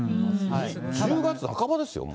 １０月半ばですよ、もう。